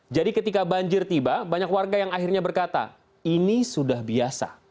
jadi ketika banjir tiba banyak warga yang akhirnya berkata ini sudah biasa